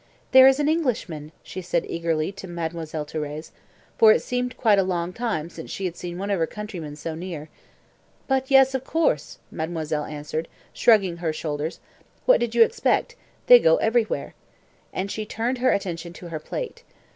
"There is an Englishman!" she said eagerly to Mademoiselle Thérèse, for it seemed quite a long time since she had seen one of her countrymen so near. "But, yes, of course," mademoiselle answered, shrugging her shoulders. "What did you expect? They go everywhere," and she turned her attention to her plate.